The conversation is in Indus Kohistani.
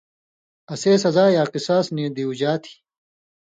اسے سزا یا قِصاص نی دیُوژا تھی۔